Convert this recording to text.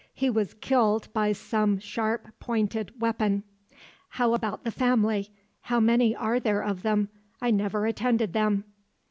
He was killed by some sharp pointed weapon. How about the family? How many are there of them? I never attended them."